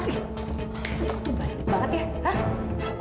itu banyak banget ya